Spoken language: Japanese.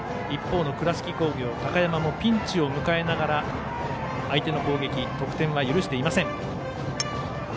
一方の倉敷工業、高山もピンチを迎えながら相手の攻撃、得点は許していません。